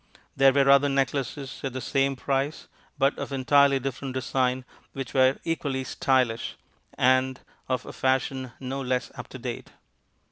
There were other necklaces at the same price but of entirely different design, which were equally "Stylish," and of a fashion no less up to date.